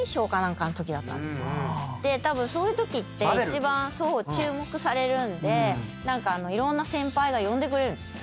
でたぶんそういうときって一番注目されるんで何かいろんな先輩が呼んでくれるんですよ。